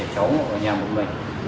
cháu ở nhà một mình